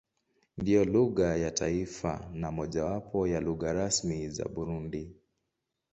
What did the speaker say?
Ndiyo lugha ya taifa na mojawapo ya lugha rasmi za Burundi.